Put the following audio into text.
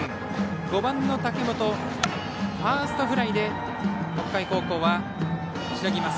５番、武本はファーストフライで北海高校は、しのぎます。